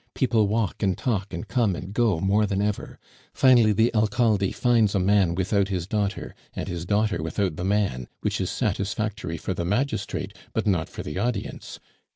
People walk and talk, and come and go more than ever. Finally the Alcalde finds a man without his daughter, and his daughter without the man, which is satisfactory for the magistrate, but not for the audience.